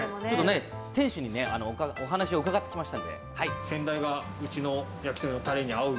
店主にお話を伺ってきました。